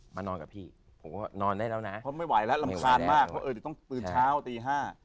ไม่ไหวละลำคราญมากเดี๋ยวต้องตื่นเช้าตีห้า